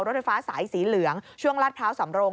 รถไฟฟ้าสายสีเหลืองช่วงลาดพร้าวสำรง